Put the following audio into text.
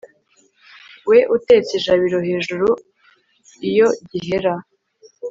we utetse ijabiro hejuru iyo gihera